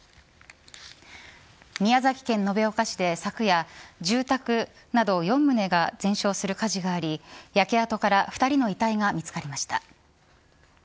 宮崎県延岡市で昨夜住宅など４棟が全焼する火事があり焼け跡から２人の遺体が見つかりました。